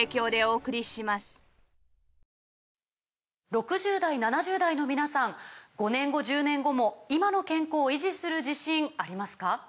６０代７０代の皆さん５年後１０年後も今の健康維持する自信ありますか？